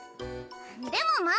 でもまあ